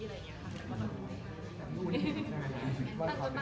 แต่อย่างนี้ค่ะ